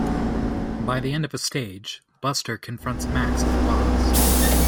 By the end of a stage, Buster confronts Max as a boss.